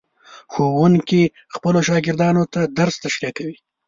ښوونکي خپلو شاګردانو ته درس تشریح کوي.